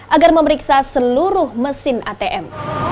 agar memeriksa seluruh mesin atm